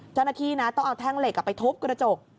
เจ้าหน้าที่นะต้องเอาแท่งเหล็กไปทุบกระจก